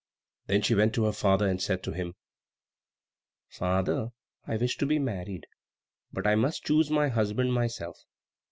Then she went to her father, and said to him, "Father, I wish to be married; but I must choose my husband myself."